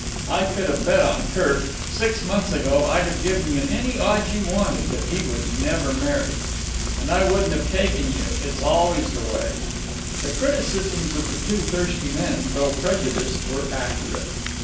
I could have bet on Kirk. Six months ago I'd have given you any odds you wanted that he would never marry." "And I wouldn't have taken you. It's always the way." The criticisms of the two thirsty men, though prejudiced, were accurate.